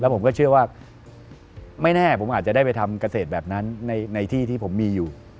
เป็นอย่างไร